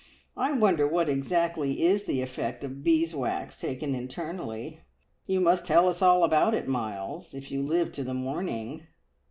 I wonder what exactly is the effect of beeswax taken internally! You must tell us all about it, Miles, if you live to the morning!"